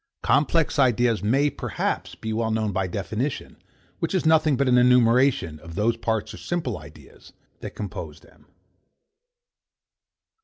Complex ideas may, perhaps, be well known by definition, which is nothing but an enumeration of those parts or simple ideas, that compose them.